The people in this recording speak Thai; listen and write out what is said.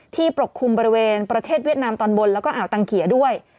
ปกคลุมบริเวณประเทศเวียดนามตอนบนแล้วก็อ่าวตังเขียด้วย